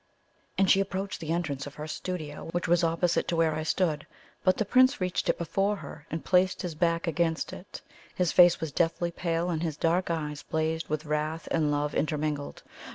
And she approached the entrance of her studio, which was opposite to where I stood; but the Prince reached it before her, and placed his back against it. His face was deathly pale, and his dark eyes blazed with wrath and love intermingled.